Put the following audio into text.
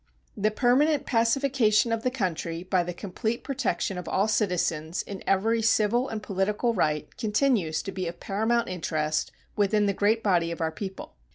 The permanent pacification of the country by the complete protection of all citizens in every civil and political right continues to be of paramount interest with the great body of our people.